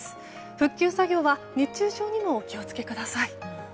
復旧作業は熱中症にもお気を付けください。